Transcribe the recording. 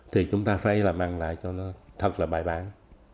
thì chúng ta phải là mang lại cho nó thật là bài bản